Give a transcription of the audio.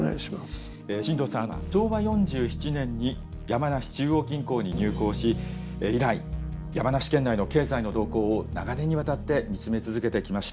進藤さんは昭和４７年に山梨中央銀行に入行し以来山梨県内の経済の動向を長年にわたって見つめ続けてきました。